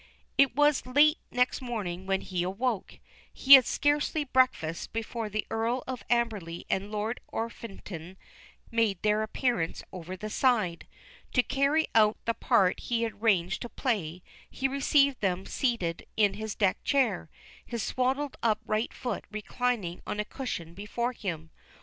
It was late next morning when he awoke. He had scarcely breakfasted before the Earl of Amberley and Lord Orpington made their appearance over the side. To carry out the part he had arranged to play, he received them seated in his deck chair, his swaddled up right foot reclining on a cushion before him.